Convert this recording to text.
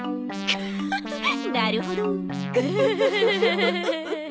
フフフなるほど。